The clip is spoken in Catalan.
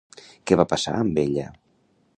Què va passar amb ella?